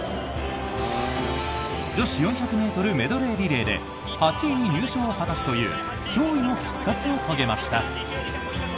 女子４００ｍメドレーリレーで８位に入賞を果たすという驚異の復活を遂げました。